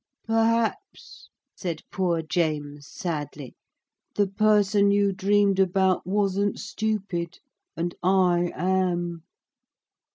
'Perhaps,' said poor James sadly, 'the person you dreamed about wasn't stupid, and I am.'